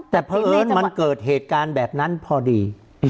แต่เพราะเอิญมันเกิดเหตุการณ์แบบนั้นพอดี